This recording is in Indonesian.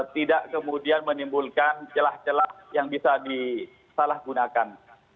tidak kemudian menimbulkan celah celah yang bisa disalahgunakan